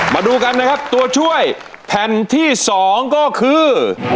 มาดูกันนะครับตัวช่วยแผ่นที่๒ก็คือ